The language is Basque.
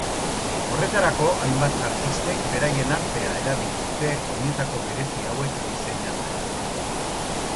Horretarako, hainbat artistek beraien artea erabili dute oinetako berezi hauek diseinatzeko.